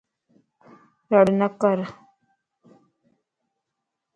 رڙ نڪر